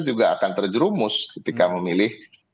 juga akan terjerumus ketika memilih